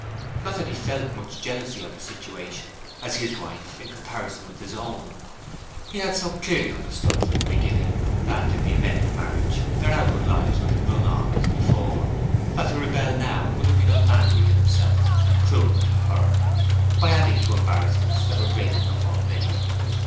Not that he felt much jealousy of her situation, as his wife, in comparison with his own. He had so clearly understood from the beginning that, in the event of marriage, their outward lives were to run on as before, that to rebel now would have been unmanly in himself and cruel to her, by adding to embarrassments that were great enough already.